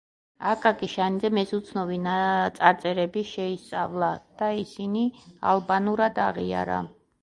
აკაკი შანიძემ ეს უცნობი წარწერები შეისწავლა და ისინი ალბანურად აღიარა.